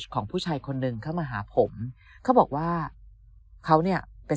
ของผู้ชายคนหนึ่งเข้ามาหาผมเขาบอกว่าเขาเนี่ยเป็น